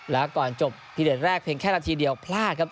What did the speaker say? แล้วก่อนจบทีเด็ดแรกเพียงแค่นาทีเดียวพลาดครับ